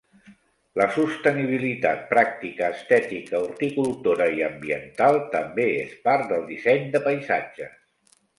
La sostenibilitat pràctica, estètica, horticultora i ambiental també és part del disseny de paisatges.